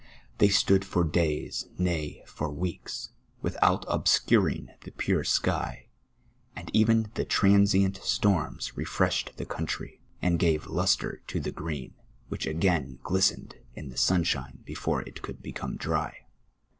They stood for days, nay, for weeks, with out obscurini:; the pure sky, and even the transient stoims re freshed the country, and p^ave lustre to the ^reen, which a^ain 2:listeued in the sunshine before it coidd become diT.